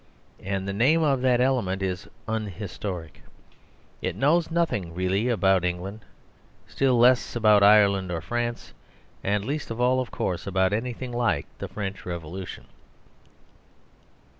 And the name of that element is "unhistoric." It knows nothing really about England, still less about Ireland or France, and, least of all, of course, about anything like the French Revolution.